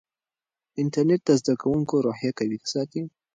انټرنیټ د زده کوونکو روحیه قوي ساتي.